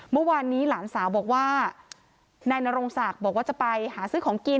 เมื่อวานนี้หลานสาวบอกว่านายนรงศักดิ์บอกว่าจะไปหาซื้อของกิน